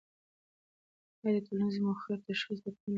آیا د ټولنیزو موخو تشخیص د پوهاند لپاره مهم دی؟